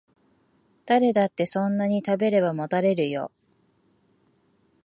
誰だってそんなに食べればもたれるよ